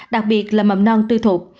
đặc biệt là mầm non tư thuộc